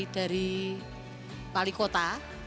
dari pali kota